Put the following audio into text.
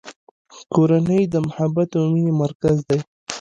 کورنۍ د محبت او مینې مرکز دی.